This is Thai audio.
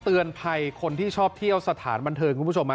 เตือนภัยคนที่ชอบเที่ยวสถานบันเทิงคุณผู้ชม